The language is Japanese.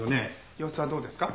様子はどうですか？